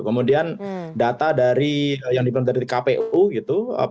kemudian data dari yang diperoleh dari kpu gitu